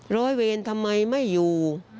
ร้อยเวรทำไมไม่อยู่